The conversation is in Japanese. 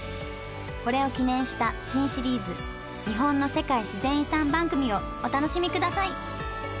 これを記念した新シリーズ日本の世界自然遺産番組をお楽しみください